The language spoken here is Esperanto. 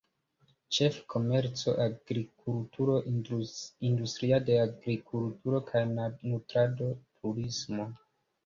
Ĉefe komerco, agrikulturo, industria de agrikulturo kaj nutrado, turismo.